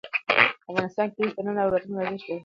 افغانستان کې اوښ د نن او راتلونکي ارزښت لري.